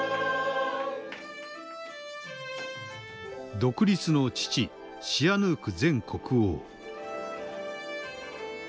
独立の父シアヌーク前国王。